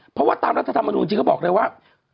เพราะว่าตามรัฐธรรมนูลจริงเขาบอกเลยว่า